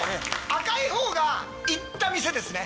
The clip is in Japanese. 赤い方が行った店ですね。